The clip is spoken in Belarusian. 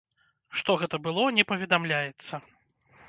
Што гэта было, не паведамляецца.